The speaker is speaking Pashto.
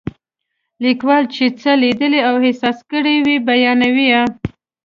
لیکوال چې څه لیدلي او احساس کړي وي بیانوي.